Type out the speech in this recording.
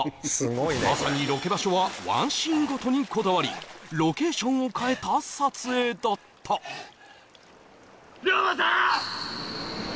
まさにロケ場所は１シーンごとにこだわりロケーションを変えた撮影だった龍馬さん！